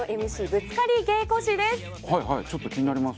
ぶつかり稽古史です。